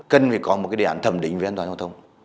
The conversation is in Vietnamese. cần phải có một cái đề ảnh thẩm định về an toàn thông thông